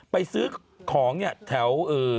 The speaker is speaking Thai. ไปซื้อของเนี่ยแถว